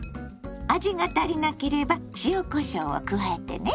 味が足りなければ塩こしょうを加えてね。